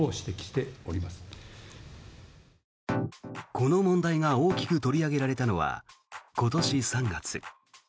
この問題が大きく取り上げられたのは今年３月。